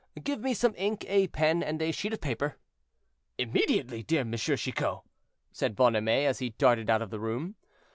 Give me some ink, a pen, and a sheet of paper." "Immediately, dear Monsieur Chicot," said Bonhomet, as he darted out of the room.